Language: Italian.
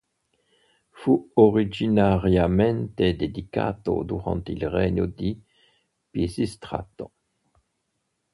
Fu originariamente dedicato durante il regno di Pisistrato.